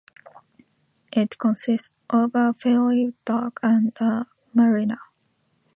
It consists of a ferry dock and a marina.